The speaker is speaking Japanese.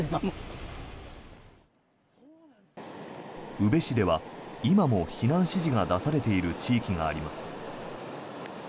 宇部市では今も避難指示が出されている地域があります。